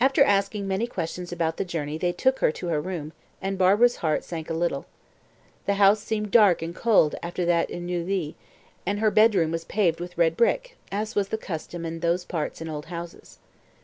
After asking many questions about the journey they took her to her room, and Barbara's heart sank a little. The house seemed dark and cold after that in Neuilly, and her bedroom was paved with red brick, as was the custom in those parts in old houses.